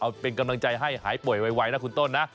เอาเป็นกำลังใจให้หายป่วยไวนะคุณต้นนะ